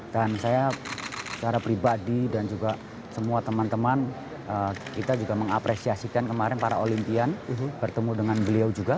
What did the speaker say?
dan saya secara pribadi dan juga semua teman teman kita juga mengapresiasikan kemarin para olimpian bertemu dengan beliau juga